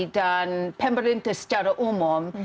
dan pemerintah secara umum